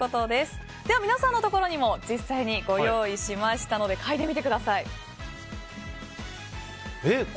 では皆さんのところにも実際にご用意しましたのでえ？